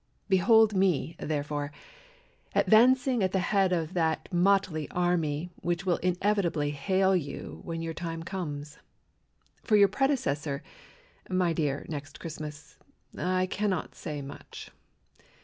Behold me, therefore, advancing At the head of that motley army Which will inevitably hail you When your time comes. For your predecessor, My dear Next Christmas, I cannot say much.